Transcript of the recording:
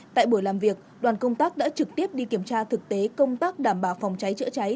tại buổi làm việc đoàn công tác đã trực tiếp đi kiểm tra thực tế công tác đảm bảo phòng cháy chữa cháy